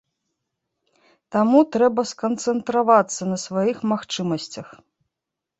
Таму трэба сканцэнтравацца на сваіх магчымасцях.